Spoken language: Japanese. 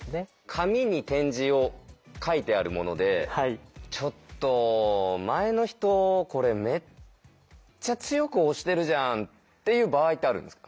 紙に点字を書いてあるもので「ちょっと前の人これめっちゃ強く押してるじゃん」っていう場合ってあるんですか？